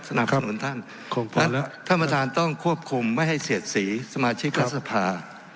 สนับสนุนท่านท่านประธานต้องควบคุมไม่ให้เสียดสีสมาชิกรัฐสภา